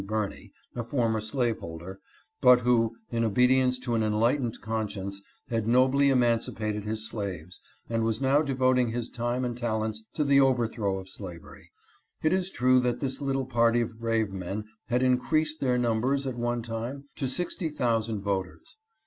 Birney, a former slaveholder, but who, in obedience to an enlightened conscience, had nobly emancipated his slaves, and was now devoting his time and talents to the overthrow of slavery. It is true that this little party of brave men had increased their numbers at one time to sixty thousand voters.